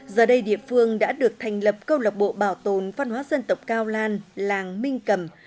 giờ đây địa phương đã được thành lập câu lạc bộ bảo tồn văn hóa dân tộc cao lan làng minh cầm